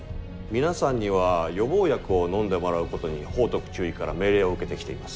皆さんには予防薬を飲んでもらうことにホートク中尉から命令を受けてきています。